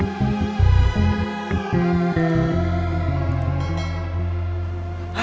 nah kita balik lagi